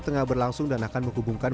tengah berlangsung dan akan menghubungkan